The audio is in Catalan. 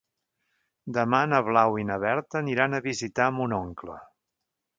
Demà na Blau i na Berta aniran a visitar mon oncle.